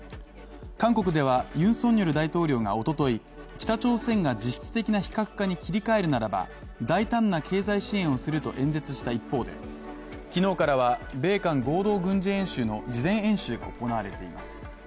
韓国ではユン・ソンニョル大統領がおととい北朝鮮が実質的な非核化に切り替えるならば大胆な経済支援をすると演説した一方で、昨日からは、米韓合同軍事演習の事前演習が行われています。